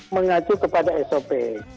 mengacu kepada sop